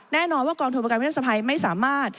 แน่นอนว่ากองทุนประกันวิทยาภัยไม่สามารถ